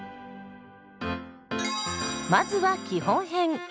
まずは基本編。